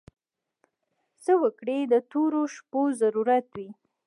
څه وګړي د تورو شپو ضرورت وي.